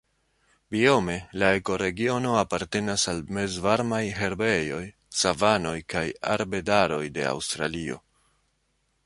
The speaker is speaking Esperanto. Biome la ekoregiono apartenas al mezvarmaj herbejoj, savanoj kaj arbedaroj de Aŭstralio.